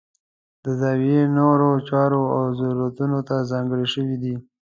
د زاویې نورو چارو او ضرورتونو ته ځانګړې شوي دي.